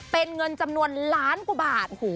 เป็นเงินจำนวนล้านกว่าบาท